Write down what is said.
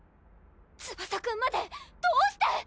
ツバサくんまで⁉どうして？